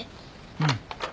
うん。